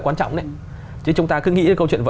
quan trọng chứ chúng ta cứ nghĩ câu chuyện